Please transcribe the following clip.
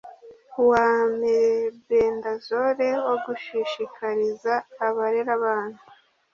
wa mebendazole wo gushishikariza abarera abana